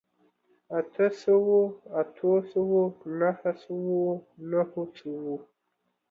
اته سوو، اتو سوو، نهه سوو، نهو سوو